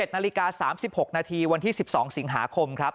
๑นาฬิกา๓๖นาทีวันที่๑๒สิงหาคมครับ